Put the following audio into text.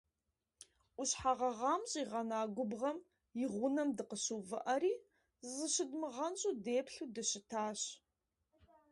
Ӏущхьэ гъэгъам щӀигъэна губгъуэм и гъунэм дыкъыщыувыӀэри зышыдмыгъэнщӏу деплъу дыщытащ.